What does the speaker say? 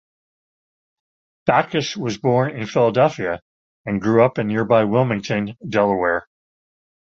Backus was born in Philadelphia and grew up in nearby Wilmington, Delaware.